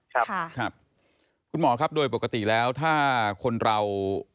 ครับครับคุณหมอครับโดยปกติแล้วถ้าคนเรา